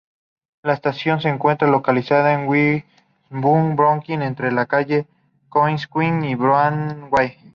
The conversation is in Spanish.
La estación se encuentra localizada en Williamsburg, Brooklyn entre la Calle Kosciuszko y Broadway.